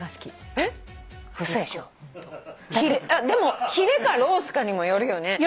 でもヒレかロースかにもよるよね。